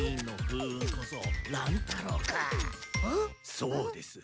・そうです。